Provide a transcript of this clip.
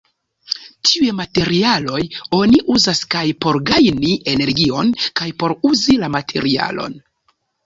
Tiuj materialoj oni uzas kaj por gajni energion kaj por uzi la materialon.